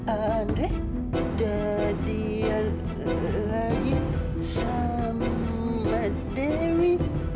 andri jadian lagi sama dewi